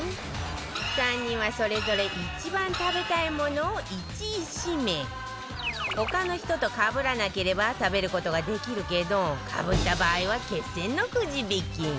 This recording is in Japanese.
３人はそれぞれ一番食べたいものを１位指名他の人とかぶらなければ食べる事ができるけどかぶった場合は決戦のくじ引き